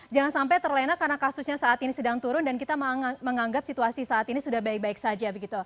jangan sampai terlena karena kasusnya saat ini sedang turun dan kita menganggap situasi saat ini sudah baik baik saja begitu